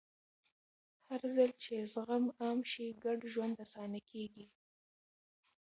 هرځل چې زغم عام شي، ګډ ژوند اسانه کېږي.